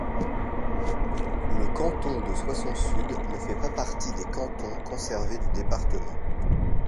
Le canton de Soissons-Sud ne fait pas partie des cantons conservés du département.